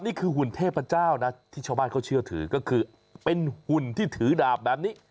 หุ่นเทพเจ้านะที่ชาวบ้านเขาเชื่อถือก็คือเป็นหุ่นที่ถือดาบแบบนี้